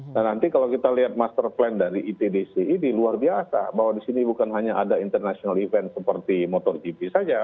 dan nanti kalau kita lihat master plan dari itdc ini luar biasa bahwa di sini bukan hanya ada international event seperti motor jipi saja